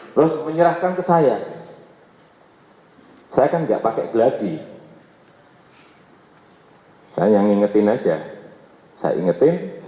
terus menyerahkan ke saya saya kan enggak pakai gladi saya ingetin saja saya ingetin